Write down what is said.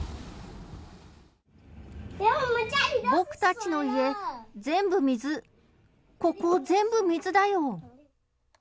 僕たちの家、全部、水、ここ、全部水だよ。